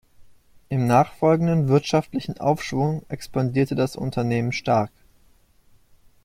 Im nachfolgenden wirtschaftlichen Aufschwung expandierte das Unternehmen stark.